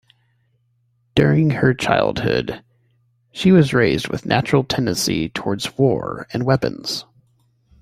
During her childhood, she was raised with a natural tendency towards war and weapons.